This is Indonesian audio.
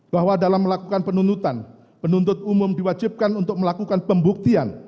bahwa dalam melakukan penuntutan penuntut umum diwajibkan untuk melakukan pembuktian